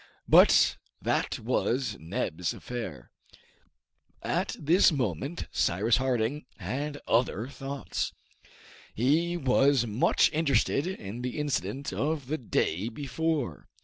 But that was Neb's affair. At this moment Cyrus Harding had other thoughts. He was much interested in the incident of the day before.